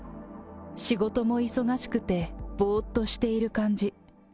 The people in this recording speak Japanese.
仕事も忙しくて、ぼーっとしている感じ。